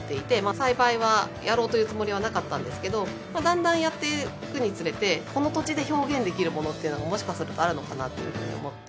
栽培はやろうというつもりはなかったんですけどだんだんやっていくにつれてこの土地で表現できるものってのがもしかするとあるのかなというふうに思って。